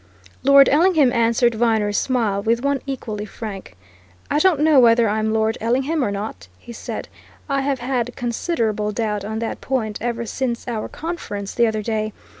Lord Ellingham answered Viner's smile with one equally frank. "I don't know whether I'm Lord Ellingham or not!" he said. "I have had considerable doubt on that point ever since our conference the other day.